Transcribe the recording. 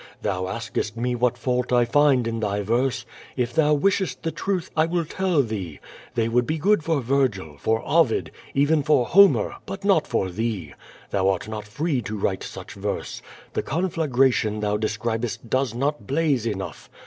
Thou askest me what fault I find in thy verse. If thou wishest the truth, I will tell thee. They would be good for Vergil, for Ovid, even for Homer, but not for thee. Thou art not free to write such verse. The conflagration thou describest dost not blaze enough.